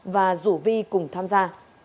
và rủ vi cùng tham gia